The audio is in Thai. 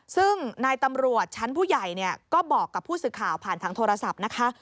ซึ่งนายตำรวจชั้นผู้ใหญ่ก็บอกกับผู้สื่อข่าวผ่านทางโทรศัพท์นะคะ